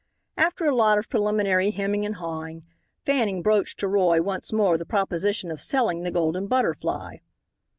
After a lot of preliminary hemming and hawing, Fanning broached to Roy once more the proposition of selling the Golden Butterfly.